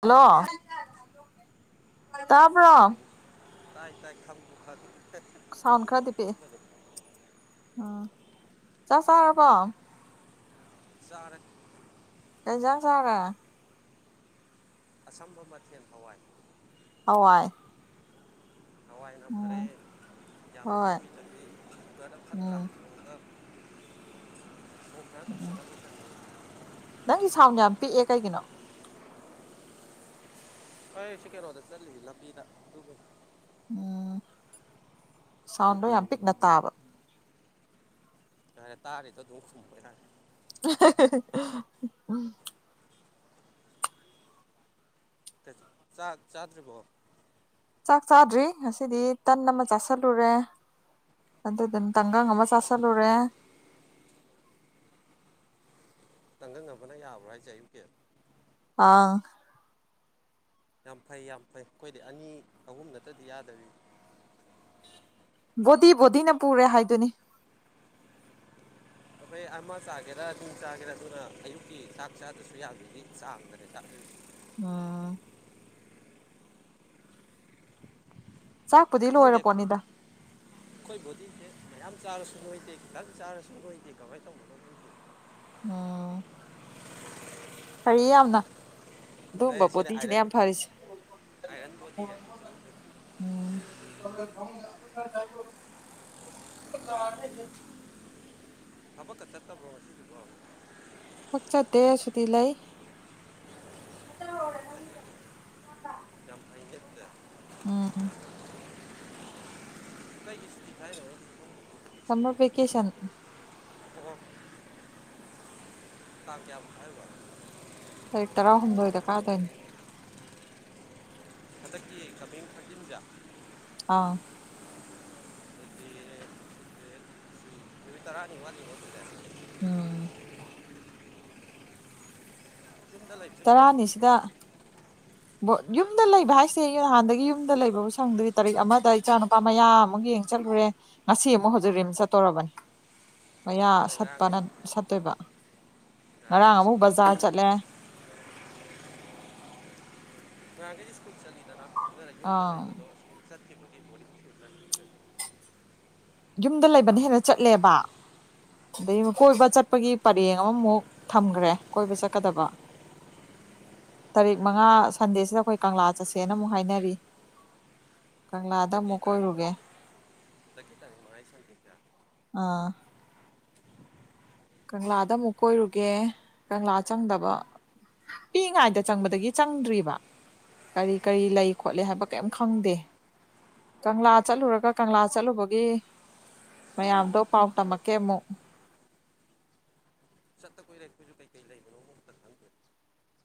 hello ꯇꯄꯣ ꯈꯪꯕꯨ ꯇꯥꯏ ꯇꯥꯏ ꯈꯥꯜꯄ ꯈꯥꯇꯗ ꯁꯥꯎꯟ ꯈꯔꯗꯤ ꯄꯤꯛꯏ ꯎꯝ ꯆꯥꯛ ꯆꯥꯔꯕꯣ ꯆꯔ ꯀꯖꯥꯡ ꯆꯒ ꯑꯁꯝꯕ ꯃꯊꯦꯜ ꯐꯋꯥꯏ ꯍꯋꯥꯏ ꯍꯋꯥꯏꯅ ꯐꯔꯦ ꯎꯝ ꯌꯥꯝꯅꯁꯨ ꯍꯣꯏ ꯀꯨꯏ ꯆꯠꯂꯤ ꯈꯔꯗ ꯎꯝ ꯐꯠꯣꯡꯗ ꯑꯝ ꯇꯧꯁꯜꯂꯒ ꯅꯪꯒꯤ ꯁꯥꯎꯟ ꯌꯥꯝ ꯄꯤꯛꯑꯦ ꯀꯩꯒꯤꯅꯣ ꯑꯩꯣꯏꯁꯤ ꯀꯦꯔꯣꯗ ꯆ ꯂꯝꯕꯤꯗ ꯑꯗꯨ ꯎꯝ ꯁꯥꯎꯟꯗꯣ ꯌꯥꯝ ꯄꯤꯛꯅ ꯇꯥꯕ ꯑꯔꯦ ꯇꯥꯔꯤꯗ ꯗꯨꯁ ꯃꯨꯀꯦ ꯇꯔꯦ ꯎ ꯆ ꯆꯥꯗ꯭ꯔꯤꯔꯤꯕꯣ ꯆꯥꯛ ꯆꯥꯗ꯭ꯔꯤ ꯉꯁꯤꯗꯤ ꯇꯟ ꯑꯃ ꯆꯥꯁꯤꯜꯂꯨꯔꯦ ꯑ ꯑꯗꯨ ꯇꯉꯥꯡ ꯉꯃ ꯆꯁ ꯂꯔꯦ ꯇꯪꯒꯪ ꯑꯃꯕꯅ ꯌꯥꯕ꯭ꯔꯥ ꯍꯥꯏꯁꯦ ꯑꯌꯨꯛꯀꯤꯦ ꯑꯥ ꯌꯥꯝ ꯐꯩ ꯌꯥꯝ ꯐꯩ ꯑꯩꯈꯣꯏꯗꯤ ꯑꯅꯤ ꯑꯍꯨꯝ ꯅꯠꯇ꯭ꯔꯗꯤ ꯌꯥꯗꯔꯤ ꯕꯣꯗꯤ ꯕꯣꯗꯤꯅ ꯄꯨꯔꯦ ꯍꯥꯏꯗꯨꯅꯤ ꯑꯩꯈꯣꯏ ꯑꯃ ꯆꯥꯒꯦꯔꯥ ꯅꯅꯨꯡ ꯆꯥꯒꯦꯔꯥ ꯑꯗꯨꯅ ꯑꯌꯨꯛꯀꯤ ꯆꯥꯛ ꯆꯥꯗꯁꯨ ꯌꯥꯗꯣꯏꯗꯤ ꯆꯥꯗ꯭ꯔꯅꯦ ꯆꯥꯛ ꯑꯥ ꯆꯥꯛꯄꯨꯗꯤ ꯀꯪ ꯗꯦꯕ ꯂꯣꯏꯔꯄꯣꯠꯅꯤꯗ ꯀꯣꯏꯣꯗꯤ ꯃ ꯌꯥꯝ ꯆꯥꯔꯁꯨꯨꯡꯉꯣꯏꯗꯦ ꯈꯤꯇꯪ ꯆꯥꯔꯁꯨꯨꯡꯉꯣꯏꯗꯦ ꯀꯃꯥꯏꯅ ꯇꯧꯕꯅꯣꯗꯦ ꯑꯥ ꯐꯩ ꯌꯥꯝꯅ ꯑꯗꯨꯒꯨꯝꯕ ꯑꯩ ꯁꯤꯅ ꯄꯣꯠꯇꯤꯁꯤꯅ ꯑꯥꯏꯔꯟ ꯌꯥꯝ ꯐꯔꯤꯁꯦ ꯑꯥꯏꯔꯟ ꯕꯣꯗꯤ ꯍꯥꯏꯁꯤꯁꯨ ꯊ [unintelligible] ꯑꯕ ꯀ ꯆꯠꯇꯕꯁꯤꯗꯤ ꯐꯛꯆꯠꯇ ꯁꯇꯤ ꯂꯩ ꯆꯝꯄ ꯆꯠꯇ ꯑꯝ ꯒꯤꯁꯨꯗꯤ ꯊꯥꯏꯔꯦ ꯅꯝꯕ ꯀꯦꯁꯟ ꯇꯥ ꯀꯦꯕ ꯍꯥꯏꯔꯕ ꯇꯥꯔꯤꯛ ꯇꯔꯥꯍꯨꯝꯗꯣꯏꯗ ꯀꯥꯗꯣꯏꯅꯤ ꯍꯟꯗꯛꯀꯤ ꯀꯄꯡ ꯊꯛꯖꯤꯝꯖꯌꯥ ꯑꯥ ꯑꯗꯨꯗꯤ ꯏ ꯇꯔꯅꯤ ꯋꯥ ꯎꯝ ꯆꯨꯝꯗ ꯂꯩꯁꯦ ꯍꯣꯅꯤꯁꯤꯀ ꯇꯔꯥꯅꯤꯁꯤꯗ ꯌꯨꯝꯗ ꯂꯩꯕ ꯍꯥꯏꯁꯦ ꯑꯩ ꯅꯍꯥꯟꯗꯒꯤ ꯌꯨꯝꯗ ꯂꯩꯕꯕꯨ ꯁꯪꯗꯨꯒꯤ ꯇꯥꯔꯤꯛ ꯑꯃꯗ ꯏꯆꯥ ꯅꯨꯄꯥ ꯃꯌꯥꯝ ꯑꯃꯨꯛ ꯌꯦꯡꯉ ꯆꯠꯂꯨꯔꯦ ꯉꯁꯤ ꯑꯃꯨꯛ ꯍꯧꯖꯤꯛꯔꯤꯝ ꯆꯠꯇꯣꯔꯔꯕꯅꯤ ꯃꯌꯥ ꯑꯗꯨꯅ ꯉꯔꯥꯡꯈꯩ ꯁꯠꯄꯅ ꯁꯠꯇꯣꯏꯕ ꯉꯔ ꯉꯔꯥꯡꯈꯩꯗꯤ ꯑꯃꯨꯛ ꯁ꯭ꯀꯨꯜ ꯑꯗꯨꯝ ꯕꯖꯥ ꯆꯠꯂꯦ ꯉ ꯀꯁꯨ ꯁꯀꯨꯜ ꯆꯠꯗꯔ ꯌꯗ ꯑꯥ ꯂꯩꯕꯗꯣ ꯁꯨ ꯆꯦ ꯌꯨꯝꯗ ꯂꯩꯕꯅ ꯍꯦꯟꯅ ꯆꯠꯂꯦꯕ ꯑꯗꯩ ꯀꯣꯏꯕ ꯆꯠꯄꯒꯤ ꯄꯔꯦꯡ ꯑꯃꯃꯨꯛ ꯊꯝꯈ꯭ꯔꯦ ꯀꯣꯏꯕ ꯆꯠꯀꯗꯕ [inaudible] ꯇꯥꯔꯤꯛ ꯃꯉꯥ ꯁꯟꯗꯦꯁꯤꯗ ꯑꯩꯈꯣꯏ ꯀꯪꯂꯥ ꯆꯠꯁꯦꯅ ꯑꯃꯨꯛ ꯍꯥꯏꯅꯔꯤ ꯀꯪꯂꯥꯗ ꯗ ꯀ ꯑꯃꯨꯛ ꯀꯣꯏꯔꯨꯒꯦ ꯇꯗ ꯀ ꯇꯔ ꯃꯉꯥꯏ ꯆ ꯑꯥ ꯀꯪꯂꯥꯗ ꯑꯃꯨꯛ ꯀꯣꯏꯔꯨꯒꯦ ꯀꯪꯂꯥ ꯆꯪꯗꯕ ꯄꯤꯛꯏꯉꯥꯏꯗ ꯆꯪꯕꯗꯒꯤ ꯆꯪꯗ꯭ꯔꯤꯕ ꯀꯔꯤ ꯀꯔꯤ ꯂꯩ ꯈꯣꯠꯂꯤ ꯍꯥꯏꯕ ꯀꯔꯤꯝ ꯈꯪꯗꯦ ꯀꯪꯂꯥ ꯆꯠꯂꯨꯔꯒ ꯀꯪꯂꯥ ꯆꯠꯂꯨꯕꯒꯤ ꯃꯌꯥꯝꯗꯣ ꯄꯥꯎ ꯇꯃ ꯀꯦꯃꯣ ꯆꯠꯇ ꯀꯨꯏ ꯂꯩꯈꯣꯏꯁꯨ ꯀꯩꯀꯩ ꯂꯩꯕꯅꯣ ꯑꯨ ꯈꯪꯗꯣꯏꯦ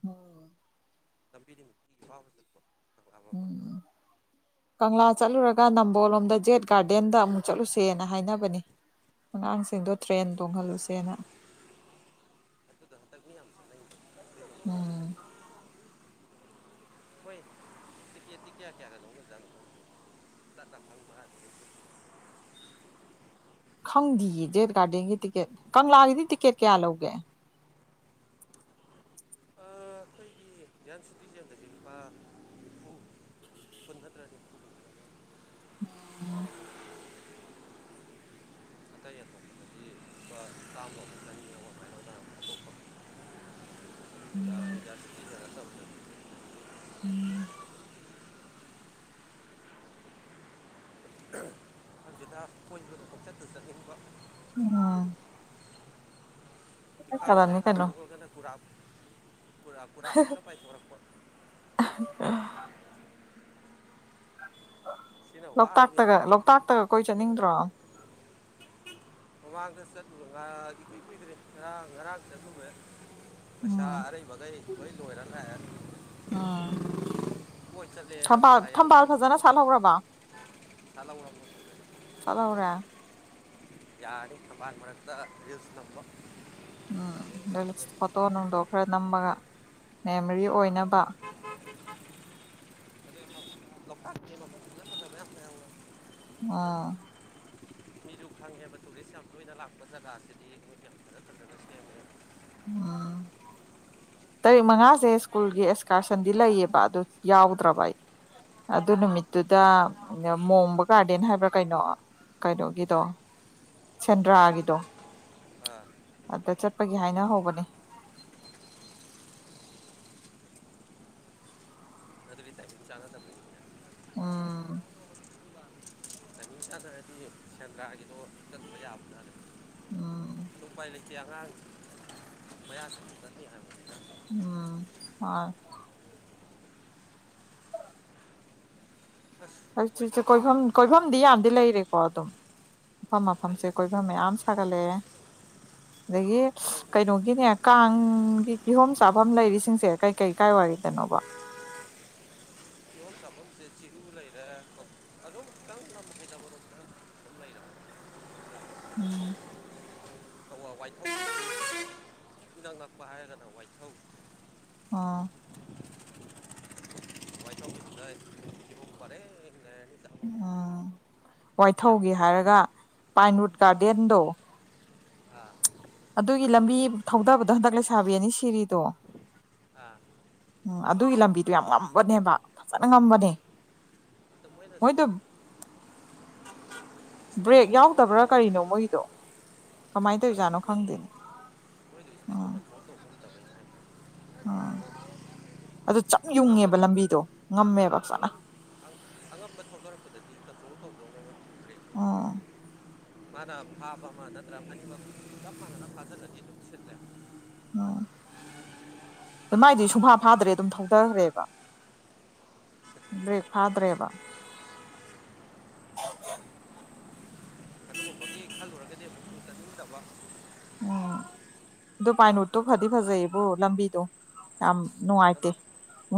ꯎꯝ ꯝꯝꯕꯤꯔꯤꯝ ꯏ ꯋꯥꯕ ꯆꯔꯄ ꯎꯝ ꯀꯪꯂꯥ ꯆꯠꯂꯨꯔꯒ ꯅꯝꯕꯣꯜꯂꯣꯝꯗ ꯖꯦꯠ ꯒꯥꯔꯗꯦꯟꯗ ꯑꯃꯨꯛ ꯆꯠꯂꯨꯁꯦꯅ ꯍꯥꯏꯅꯕꯅꯤ ꯑꯉꯥꯡꯁꯤꯡꯗꯣ ꯇ꯭ꯔꯦꯟ ꯇꯣꯡꯍꯜꯂꯨꯁꯦꯅ ꯎꯝ ꯈꯦꯇ ꯀꯌꯥ ꯀꯌꯥ ꯂꯉ ꯇꯥꯛ ꯇ ꯐꯕ ꯈꯪꯗꯌꯦ ꯖꯦꯠ ꯒꯥꯔꯗꯦꯟꯒꯤ ꯇꯤꯀꯦꯠ ꯀꯪꯂꯥꯒꯤꯗꯤ ꯇꯤꯛꯀꯦꯠ ꯀꯌꯥ ꯂꯧꯒꯦ [unintelligible] ꯟ ꯁꯨꯇꯤꯁꯦꯟꯗꯁ ꯂꯨꯄꯥ ꯅꯤꯐꯨ ꯄꯨꯟꯊ ꯇꯔ ꯎꯝ ꯑꯇꯩ ꯑꯇꯣꯞꯄꯗꯒꯤ ꯂꯨꯄꯥ ꯆꯥꯝꯗ ꯑꯃ ꯑꯅꯤ ꯑꯃꯃꯥꯏꯅ ꯇꯔ ꯑꯇꯣꯞꯄ ꯌꯥꯔ ꯆꯗ ꯎꯝ ꯑꯗꯨꯗ ꯀꯣꯏꯕ ꯑꯃꯈꯛ ꯆꯠꯇ ꯆꯠꯅꯤꯡꯕ ꯎꯝ ꯏꯈꯥꯎ ꯍꯦꯛ ꯆꯠꯀꯗꯕꯅꯤ ꯀꯩꯅꯣ ꯍꯥꯡꯄꯣꯛ ꯀꯅꯦ ꯈꯔ ꯄꯨ ꯄꯨꯔꯥꯦꯂ ꯄꯥꯏꯁ ꯐꯔꯛꯄ ꯁꯤꯅ ꯋꯥꯒꯤꯅꯤ ꯂꯣꯛꯇꯥꯛꯇꯒ ꯂꯣꯛꯇꯥꯛꯇꯒ ꯀꯣꯏ ꯆꯠꯅꯤꯡꯗ꯭ꯔꯣ ꯃꯃꯥꯡꯗ ꯆꯠꯂꯨꯕ ꯉꯗꯤ ꯀꯨꯏ ꯀꯨꯏꯗ꯭ꯔꯦ ꯉꯔꯥꯡ ꯉꯔꯥꯡ ꯆꯠꯂꯨꯃꯦ ꯑꯁꯥ ꯎꯝ ꯑꯔ ꯕ ꯂꯔꯅ ꯍꯥꯏꯔ ꯎꯝ ꯊꯝꯕꯥꯜ ꯊꯝꯕꯥꯜ ꯐꯖꯅ ꯁ ꯍꯧ꯭ꯔ ꯄꯩꯁꯥ ꯂꯧꯔꯝꯕ ꯆꯂꯥꯎꯔꯦ ꯌꯥꯔꯦ ꯀꯕꯥꯜ ꯃꯛꯇ ꯔꯔꯤꯜꯁ ꯇꯝꯕ ꯎꯝ ꯐꯣꯇꯣ ꯅꯨꯡꯗꯣ ꯈꯔ ꯅꯝꯃꯒ ꯃꯦꯃꯣꯔꯤ ꯑꯣꯏꯅꯕ ꯑꯗꯩ ꯂꯣꯛꯇꯥꯛ ꯌꯦꯡꯕ ꯐꯖ ꯐꯖꯕ ꯃꯌꯥꯝ ꯂꯩꯍꯧꯋꯦ ꯑꯥ ꯐꯪꯉꯦꯕ ꯇꯨꯔꯤꯁ ꯌꯥꯝ ꯀꯨꯏꯅ ꯂꯥꯛꯄ ꯖꯒꯥꯁꯤꯗꯤ ꯌꯥꯝ ꯐꯖ ꯐꯖꯅ ꯁꯦꯝꯃꯦꯕ ꯎꯝ ꯇꯥꯔꯤꯛ ꯃꯉꯥꯁꯦ ꯁ꯭ꯀꯨꯜꯒꯤ ꯑꯦꯛꯁꯀꯔꯁꯟꯗꯤ ꯂꯩꯌꯦꯕ ꯑꯗꯨ ꯌꯥꯎꯗ꯭ꯔꯕ ꯑꯩ ꯑꯗꯨ ꯅꯨꯃꯤꯠꯇꯨꯗ ꯃꯣꯝꯕ ꯒꯥꯔꯗꯦꯟ ꯍꯥꯏꯕ꯭ꯔꯥ ꯀꯩꯅꯣ ꯀꯩꯅꯣꯒꯤꯗꯣ ꯁꯦꯟꯗ꯭ꯔꯥꯒꯤꯗꯣ ꯑꯥ ꯑ ꯗ ꯆꯠꯄꯒꯤ ꯍꯥꯏꯅꯍꯧꯕꯅꯦ ꯑꯗꯨꯗꯨ ꯇꯥꯏ ꯆ ꯊꯝ ꯎꯝ ꯏꯁꯥꯗ ꯍꯥꯏꯗꯤ ꯁꯦꯟꯗ꯭ꯔꯥꯒꯤꯗꯣ ꯆꯟꯕ ꯌꯥꯕꯖꯦ ꯎꯝ ꯎꯄꯥꯏ ꯂꯩ ꯁꯤ ꯑꯥꯡ ꯃꯌꯥ ꯁꯅꯤ ꯍꯥꯏꯕ ꯎꯝ ꯍ ꯑꯁ ꯍꯧ ꯆꯠ ꯋꯦꯗꯔꯁꯤꯅ ꯀꯣꯏꯐꯝ ꯃꯁꯨ ꯀꯣꯏꯐꯝꯗꯤ ꯌꯥꯝꯗꯤ ꯂꯩꯔꯦ ꯀꯣ ꯑꯗꯨꯝ ꯃꯐꯝ ꯃꯐꯝꯁꯦ ꯂꯩꯔꯦ ꯀꯣꯏꯕ ꯃꯌꯥꯝ ꯁꯥꯒꯠꯂꯛꯑꯦ ꯑꯗꯒꯤ ꯑꯗꯣ ꯀꯩꯅꯣꯒꯤꯅꯦ ꯀꯥꯡꯒꯤ ꯀꯤꯍꯣꯝ ꯆꯥꯐꯝ ꯂꯩꯔꯤꯁꯤꯡꯁꯦ ꯀꯩ ꯀꯩ ꯀꯥꯏ ꯋꯥꯔꯤꯗꯅꯣꯕ [unintelligible] ꯇꯐꯝ ꯇꯝꯐꯝꯁꯦ ꯆꯤꯔꯨ ꯂꯩꯔꯦ ꯑꯣ ꯈꯤꯇꯪ ꯇꯃꯨꯛ ꯀꯩ ꯇꯕ ꯎꯝ ꯋꯥ ꯈꯨ ꯅ ꯂꯥꯛꯄ ꯍꯥꯏꯒ ꯋꯥꯏꯠꯊꯧꯧ ꯑꯥ [inaudible] ꯆꯥꯐꯝ ꯎꯝ ꯃꯣꯏꯗꯤ ꯋꯥꯏꯊꯧꯒꯤ ꯌꯥꯝꯅꯁꯨ ꯊꯨꯝ ꯍꯥꯏꯔꯒ ꯄꯥꯏꯟꯔꯨꯠ ꯒꯥꯔꯗꯦꯟꯗꯣ ꯑ ꯑꯗꯨꯒꯤ ꯂꯝꯕꯤ ꯊꯧꯗꯕꯗꯣ ꯍꯟꯗꯛ ꯂꯩꯁꯥꯕꯤ ꯑꯅꯤ ꯁꯤꯔꯤꯗꯣ ꯑꯥ ꯎꯝ ꯑꯗꯨꯒꯤ ꯂꯝꯕꯤꯗꯣ ꯌꯥꯝ ꯉꯝꯕꯅꯦꯕ ꯐꯖꯅ ꯉꯝꯕꯅꯦ ꯑꯗ ꯍꯣꯏ ꯃꯣꯏꯅꯁꯨ ꯇꯣ ꯏꯁꯄꯤꯠꯇꯣ ꯕ꯭ꯔꯦꯛ ꯀꯟꯇ꯭ꯔꯣꯜ ꯌꯥꯎꯗꯕ꯭ꯔꯥ ꯇꯧꯕ ꯀꯔꯤꯅꯣ ꯉꯝꯗꯕ ꯃꯣꯏꯗꯣ ꯀꯃꯥꯏꯅ ꯈꯪꯗꯦ ꯇꯧꯔꯤꯖꯥꯠꯅꯣ ꯃꯣꯏꯗꯤ ꯈꯪꯗꯦꯅꯦ ꯃꯣꯏꯗꯤ ꯏꯁꯄꯤꯠꯇꯣ ꯎꯥ ꯀꯟꯇ꯭ꯔꯣꯜ ꯇꯧꯕ ꯉꯝꯗꯕꯩꯅꯤ ꯍꯥꯏ ꯑꯣ ꯑꯉꯝꯕꯗ ꯐꯖꯅ ꯑꯉꯝꯕ ꯊꯣꯛꯗꯔꯛꯄꯗꯗꯤ ꯁꯜꯄ ꯀꯔꯦ ꯑꯥ ꯃꯥꯅ ꯃꯥꯥꯕ ꯃꯥ ꯅꯠꯇ꯭ꯔ ꯃꯅꯤꯕ ꯇꯃ ꯉꯅ ꯐꯖꯖꯤꯁꯤꯗ꯭ꯔꯦ ꯎꯝ ꯑꯗꯨ ꯃꯥꯏꯗꯤ ꯁꯨꯡꯐꯥ ꯐꯥꯗ꯭ꯔꯦ ꯑꯗꯨꯝ ꯊꯧꯊꯈ꯭ꯔꯦꯕ ꯕ꯭ꯔꯦꯛ ꯐꯥꯗ꯭ꯔꯦꯕ ꯑꯗꯨꯒꯨꯝꯕꯒꯤ ꯈꯜꯂꯨꯔꯒꯗꯤ ꯑꯃꯨꯛ ꯆꯠꯅꯤꯡꯗꯕ ꯑꯣ ꯑꯗꯨꯣ ꯄꯥꯏꯟ ꯔꯣꯠꯇꯣ ꯐꯗꯤ ꯐꯖꯩꯌꯦꯕꯣ ꯂꯝꯕꯤꯗꯣ ꯌꯥꯝ ꯂꯝ ꯅꯨꯡꯉꯥꯏꯇꯦ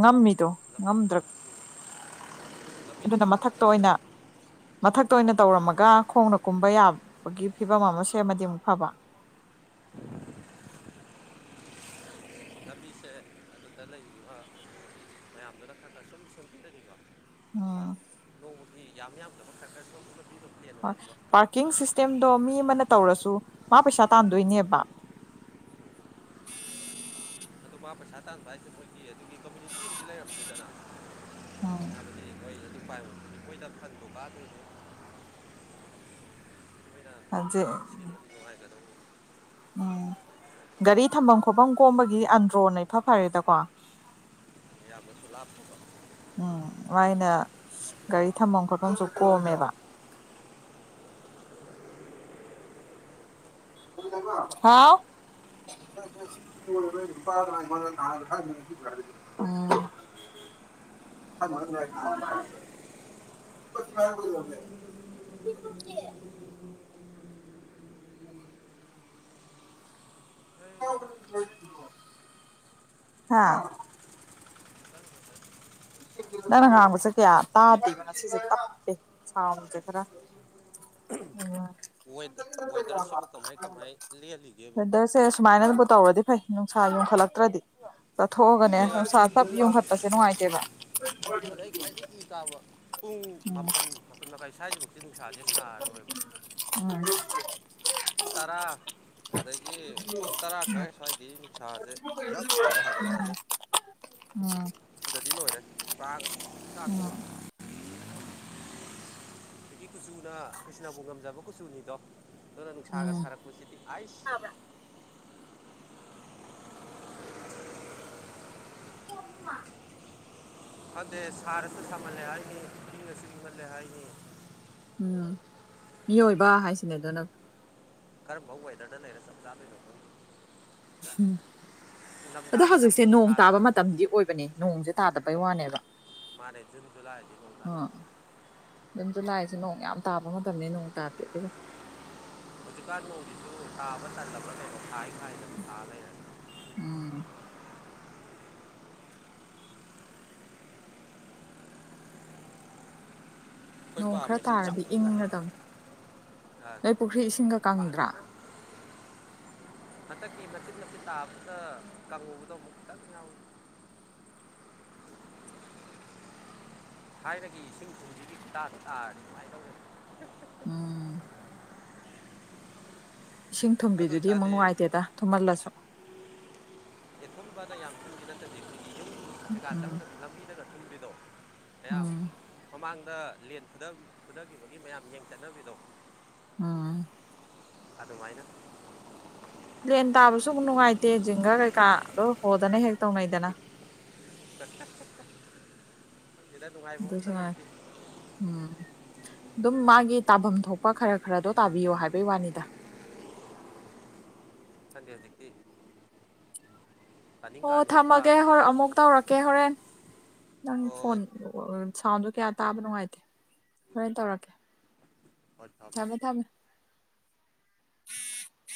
ꯉꯝꯃꯤ ꯇꯣ ꯂꯝ ꯉꯝꯗ꯭ꯔ ꯂꯝꯕꯤ ꯑꯗꯨꯅ ꯂꯝꯕꯤ ꯃꯊꯛꯇ ꯇꯥꯛꯁꯤꯗ ꯑꯣꯏꯅ ꯁꯦꯝꯃꯤ ꯃꯊꯛꯇ ꯑꯣꯏꯅ ꯇꯧꯔꯝꯃꯒ ꯈꯣꯡꯅ ꯀꯨꯝꯕ ꯌꯥꯕꯒꯤ ꯐꯤꯕꯝ ꯑꯃ ꯁꯦꯝꯃ ꯑꯃꯨꯛ ꯐꯕ [inaudible] ꯂꯝꯕꯤꯁꯦ ꯑꯗꯨꯗ ꯂꯩꯔꯤꯕ ꯃꯌꯥꯝꯗꯨꯅ ꯈꯔꯅ ꯁꯨꯝ ꯁꯦꯝꯕꯤꯗꯅꯤꯀꯣ ꯑ ꯌꯥ ꯌꯥꯝꯃꯤꯌꯥ ꯁꯔꯀꯔ ꯁ ꯇꯦꯝꯗꯣ ꯃꯤ ꯑꯃꯅ ꯇꯧꯔꯁꯨ ꯃꯥ ꯄꯩꯁꯥ ꯇꯥꯟꯗꯣꯏꯅꯦꯕ ꯎꯝ ꯑꯗꯨ ꯃꯥ ꯄꯩꯁꯥ ꯇꯥꯟꯕ ꯍꯥꯏꯁꯦ ꯃꯣꯏꯒꯤ ꯑꯗꯨꯒꯤ ꯀꯝꯃꯨꯅꯤꯇꯤ ꯑꯃꯗꯤ ꯂꯩꯔꯝꯅꯤꯗꯅ ꯑ ꯍꯣꯏ ꯑꯗꯨ ꯄꯥꯏꯕ ꯑꯩꯈꯣꯏꯗ ꯈꯟꯗ ꯀꯥꯟꯗꯣꯏꯅꯦ ꯆꯦ ꯗ ꯎꯝ ꯒꯥꯔꯤ ꯊꯝꯐꯝ ꯈꯣꯠꯐꯝ ꯀꯣꯝꯕꯒꯤ ꯑꯟꯗ꯭ꯔꯣꯅꯐ ꯐꯔꯦꯗꯀꯣ ꯌꯥꯝꯌꯥꯝꯕꯁꯨ ꯂꯥꯞ ꯇꯀ ꯎꯝ ꯋꯥꯥꯏꯅ ꯒꯥꯔꯤ ꯊꯝꯐꯝ ꯈꯣꯠꯐꯝꯁꯨ ꯀꯣꯝꯃꯦꯕ ꯃꯐꯝ ꯍꯥꯥꯎ ꯁꯤ ꯅꯨ ꯁ ꯃ [inaudible] ꯍꯣꯏ ꯍꯣꯏ ꯍꯣꯏ ꯍꯥꯥ ꯅꯪ ꯉꯥꯡꯕꯁꯦ ꯀꯌꯥ ꯇꯥꯗꯦꯕꯅꯣ ꯁꯤꯁꯦ ꯇꯞꯄꯦ ꯁꯥꯎꯟꯁꯦ ꯈꯔ ꯎꯝ ꯋꯦꯗꯔꯁꯤꯕꯨ ꯀꯃꯥꯏ ꯀꯃꯥꯏ ꯂꯦꯜꯂꯤꯒꯦꯕ ꯋꯦꯗꯔꯁꯦ ꯁꯨꯃꯥꯏꯅꯕꯨ ꯇꯧꯔꯗꯤ ꯐꯩ ꯅꯨꯡꯁꯥ ꯌꯣꯟꯈꯠꯂꯛꯇ꯭ꯔꯗꯤ ꯆꯠꯊꯣꯛꯑꯒꯅꯦ ꯑꯩꯅ ꯅꯨꯡꯁꯥ ꯄꯨꯞ ꯌ ꯄꯥꯁꯦ ꯅꯨꯡꯉꯥꯏꯇꯦꯕ ꯑꯗꯩ ꯈ꯭ꯋꯥꯏꯗꯒꯤ ꯏ ꯀꯥꯕ ꯄꯨꯡ ꯃꯥꯄꯜ ꯃꯥꯄꯜ ꯃꯈꯥꯏ ꯁ꯭ꯋꯥꯏꯁꯤꯐꯧꯗꯤ ꯅꯨꯡꯁꯥꯁꯦ ꯁꯥꯔꯔꯣꯏꯕ ꯇꯔꯥ ꯑꯗꯒꯤ ꯄꯨꯡ ꯇꯔꯥ ꯈꯔ ꯁ꯭ꯋꯥꯏꯒꯤ ꯅꯨꯡꯁꯥꯁꯦ ꯌꯥꯛ ꯁꯥꯒꯠꯂꯛꯑꯅꯤ ꯎꯝ ꯁꯤꯗꯗꯤ ꯂꯣꯏꯔꯦꯥꯒ ꯎꯝ ꯑꯩ ꯀꯨꯆꯨꯅ ꯀ꯭ꯔꯤꯁꯅꯕꯨ ꯉꯝꯖꯕ ꯀꯨꯆꯨꯅꯤꯗꯣ ꯑꯗꯨꯅ ꯅꯨꯡꯁꯥꯒ ꯎꯝ ꯁꯥꯔꯛꯄꯁꯤꯗꯤ ꯑꯁ ꯑꯗꯨꯗ ꯁꯔꯁꯁ ꯃꯂꯦ ꯍꯥꯏꯏꯌꯦ ꯀꯁꯤꯒꯤ ꯃꯂꯦ ꯍꯥꯏꯏꯅꯤ ꯎꯝ ꯃꯤꯑꯣꯏꯕ ꯍꯥꯏꯁꯤꯅꯦ ꯑꯗꯨꯅ ꯈꯔ ꯧꯎ ꯍꯥꯏꯗꯗꯅꯦꯔꯦ ꯁꯝ ꯆ ꯂ [unintelligible] ꯎꯝ ꯑꯗ ꯍꯧꯖꯤꯛꯁꯦ ꯑꯃꯨꯛ ꯅꯣꯡ ꯁꯥ ꯇꯥꯕ ꯃꯇꯝꯗꯤ ꯑꯣꯏꯕꯅꯦ ꯅꯣꯡꯁꯦ ꯇꯥꯗꯕꯩ ꯋꯥꯅꯦꯕ ꯃꯥꯅꯦ ꯖꯨꯅ ꯖꯨꯜꯂꯥ ꯅꯣꯡ ꯇꯥꯅꯕꯅꯦ ꯑꯗꯨ ꯂꯥꯛꯁꯦ ꯅꯣꯡ ꯌꯥꯝ ꯇꯥꯕ ꯃꯇꯝꯅꯤ ꯅꯣꯡ ꯇꯥꯗꯦ ꯑꯗꯨꯒ ꯍꯧꯖꯤꯛꯀꯥꯟ ꯅꯣꯡꯒꯤꯁꯨ ꯊꯥꯕ ꯆꯜꯂꯕ꯭ꯔꯥ ꯀꯩꯅꯣ ꯊꯥꯏ ꯎꯝ ꯑꯩꯈꯣꯏ ꯅꯣꯡ ꯈꯔ ꯄꯥꯝꯃꯤꯁꯨ ꯇꯥꯔꯗꯤ ꯆꯥꯎꯅ ꯏꯪꯔꯗꯝꯕꯅꯤ ꯑ, ꯅꯣꯏ ꯄꯨꯈ꯭ꯔꯤ ꯏꯁꯤꯡꯒ ꯀꯪꯗ꯭ꯔꯥ ꯐꯖꯅ [inaudible] ꯍꯟꯗꯛꯀꯤ ꯃꯆꯤꯟꯠ ꯃꯆꯤꯠ ꯇꯥꯕꯗ ꯀꯥꯡꯪꯉꯨꯕꯗꯣ ꯑꯃꯨꯛ ꯈꯤꯇꯪ ꯌꯥꯎꯏꯤ ꯊꯥꯏꯅꯗꯒꯤ ꯏꯁꯤꯡ ꯊꯨꯝꯁꯤꯒꯤ ꯈꯨꯇꯥꯗ ꯇꯥꯔꯅꯤ ꯀꯨꯃꯥꯏꯅ ꯇꯧꯒꯦ ꯎꯝ ꯏꯁꯤꯡ ꯑꯗꯨ ꯊꯨꯝꯕꯤꯗꯨꯗꯤ ꯑꯃꯨꯛ ꯑꯣꯏꯇꯥꯔꯗꯤ ꯅꯨꯡꯉꯥꯏꯇꯦꯗ ꯊꯨꯝꯍꯜꯂꯁꯨ ꯑꯦ ꯊꯨꯝꯕꯗ ꯌꯥꯝ ꯊꯨꯝꯕꯤ ꯅꯠꯇꯗꯤ ꯑꯩꯈꯣꯏꯒꯤ ꯌꯨꯝꯗꯨ ꯀꯩꯀꯥ ꯎꯝ ꯆꯪꯗ ꯂꯝꯝꯕꯤꯗꯒ ꯊꯨꯝꯕꯤꯗꯣ ꯃꯌꯥꯝ ꯎꯝ ꯃꯃꯥꯡꯗ ꯂꯦꯟ ꯐꯗꯈꯤꯕꯒꯤ ꯃꯌꯥꯝ ꯌꯦꯡ ꯆꯠꯅꯕꯤꯗꯣ ꯑꯥ ꯑꯗꯨꯃꯥꯏꯅ ꯂꯦꯟ ꯇꯥꯕꯁꯨ ꯑꯃꯨꯛ ꯅꯨꯡꯉꯥꯏꯇꯦ ꯖꯒꯥ ꯀꯩꯀꯥꯗꯣ ꯍꯣꯗꯅ ꯍꯦꯛꯇ ꯆ [unintelligible] ꯠꯇ ꯆ ꯁꯤꯗ ꯇꯚꯥꯏ ꯃꯍ ꯑꯗꯨꯁꯨ ꯂꯩꯁꯤ ꯎꯝ ꯑꯗꯨꯝ ꯃꯥꯒꯤ ꯇꯥꯐꯝ ꯊꯣꯛꯄ ꯈꯔ ꯈꯔꯗꯣ ꯇꯥꯕꯤꯌꯣ ꯍꯥꯏꯕꯒꯤ ꯋꯥꯅꯤꯗ [inaudible] ꯊꯟꯗꯤꯌꯥꯖꯤꯀꯤ ꯑꯣ ꯊꯝꯃꯒꯦ ꯍ ꯑꯃꯨꯛ ꯇꯧꯔꯛꯀꯦ ꯍꯣꯔꯦꯟ ꯅꯪ ꯍꯣꯏ ꯐꯣꯟ ꯁꯥꯎꯟꯁꯨꯣ ꯀꯌꯥ ꯇꯥꯕ ꯅꯨꯡꯉꯥꯏꯇꯦ ꯍꯣꯔꯥꯏꯅ ꯇꯧꯔꯛꯀꯦ ꯊꯝꯃꯦ ꯊꯝꯃꯦ ꯎꯝ